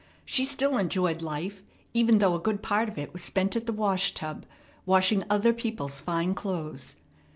She still enjoyed life, even though a good part of it was spent at the wash tub, washing other people's fine clothes.